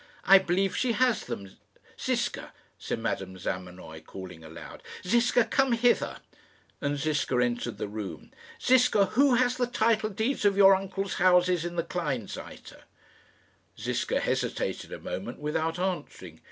I believe that she has them. Ziska," said Madame Zamenoy, calling aloud "Ziska, come hither;" and Ziska entered the room. "Ziska, who has the title deeds of your uncle's houses in the Kleinseite?" Ziska hesitated a moment without answering.